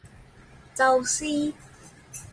宙斯